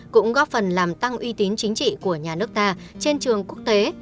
cũng góp phần làm tăng uy tín chính trị của nhà nước ta trên trường quốc tế